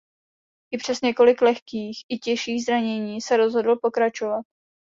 I přes několik lehkých i těžších zranění se rozhodl pokračovat.